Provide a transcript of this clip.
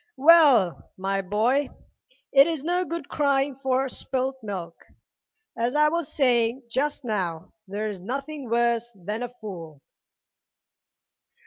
"Well, my boy, it is no good crying for spilt milk. As I was saying just now, there is nothing worse than a fool."